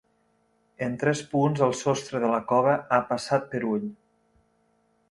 En tres punts el sostre de la cova ha passat per ull.